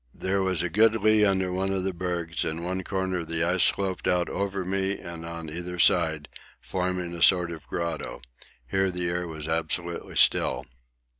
There was a good lee under one of the bergs; in one corner the ice sloped out over me and on either side, forming a sort of grotto; here the air was absolutely still.